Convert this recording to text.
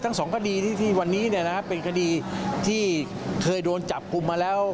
ทั้งสองคดีที่วันนี้เป็นคดีที่เคยโดนจับกลุ่มมาแล้ว